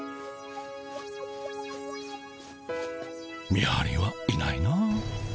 見はりはいないな。